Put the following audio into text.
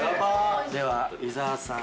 では、伊沢さん。